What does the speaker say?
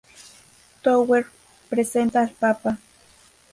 Tower presenta al Papa.